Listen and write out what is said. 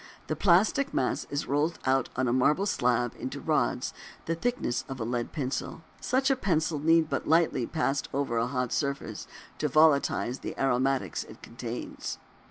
The plastic mass is rolled out on a marble slab into rods the thickness of a lead pencil. Such a pencil need be but lightly passed over a hot surface to volatilize the aromatics it contains.